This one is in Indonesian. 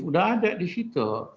sudah ada di situ